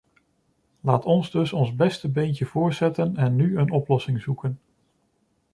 Laat ons dus ons beste beentje voorzetten en nu een oplossing zoeken.